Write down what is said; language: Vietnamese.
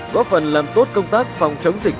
góp phần làm tốt công tác phòng chống dịch